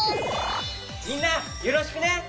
みんなよろしくね！